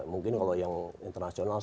mungkin kalau yang internasional